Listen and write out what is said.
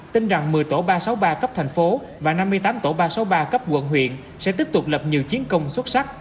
tin rằng một mươi tổ ba trăm sáu mươi ba cấp thành phố và năm mươi tám tổ ba trăm sáu mươi ba cấp quận huyện sẽ tiếp tục lập nhiều chiến công xuất sắc